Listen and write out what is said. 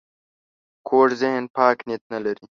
کوږ ذهن پاک نیت نه لري